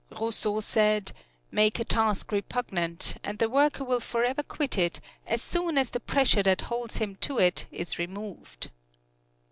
Rousseau said, "Make a task repugnant and the worker will forever quit it as soon as the pressure that holds him to it is removed."